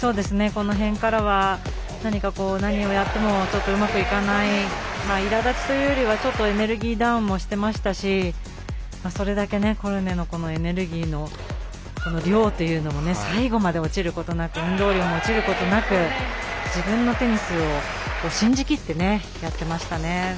この辺からは何か何をやっても、ちょっとうまくいかないいらだちというよりはエネルギーダウンもしていましたしそれだけコルネのエネルギーの量というのが最後まで落ちることなく運動量も落ちることなく自分のテニスを信じきってやってましたね。